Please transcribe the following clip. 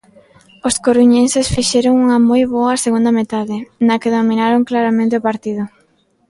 Os coruñeses fixeron unha moi boa segunda metade, na que dominaron claramente o partido.